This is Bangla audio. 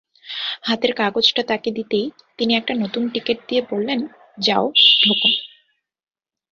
হাতের কাগজটা তাঁকে দিতেই তিনি একটা নতুন টিকিট দিয়ে বললেন, যাও, ঢোকো।